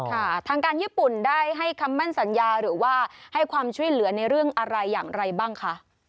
ทางการญี่ปุ่นได้ให้คำมั่นสัญญาหรือว่าให้ความช่วยเหลือในเรื่องอะไรอย่างไรบ้างคะ